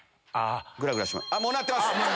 もう鳴ってます。